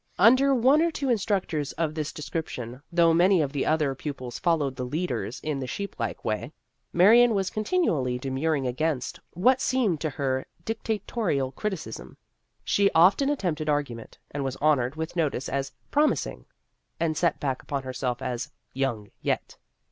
Under one or two instructors of this de scription, though many of the other pupils followed the leaders in the sheeplike way, Marion was continually demurring against what seemed to her dictatorial criticism. She often attempted argument, was honored with notice as " promising," and set back upon herself as " young yet."